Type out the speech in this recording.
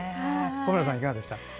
小村さんはいかがですか？